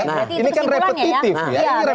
iya ini kan repetitif sebenarnya